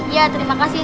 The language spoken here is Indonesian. iya terima kasih